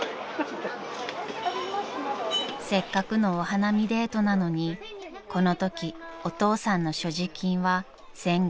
［せっかくのお花見デートなのにこのときお父さんの所持金は１，５００円］